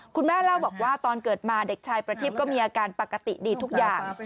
คุณแม่เล่าบอกว่าตอนเกิดมาเด็กชายประทิพย์ก็มีอาการปกติดีทุกอย่าง